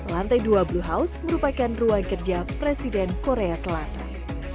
lantai dua blue house merupakan ruang kerja presiden korea selatan